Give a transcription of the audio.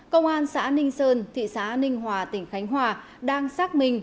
công an xã ninh sơn thị xã ninh hòa tỉnh khánh hòa đang xác minh